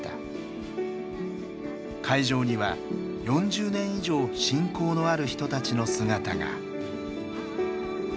会場には４０年以上親交のある人たちの姿が。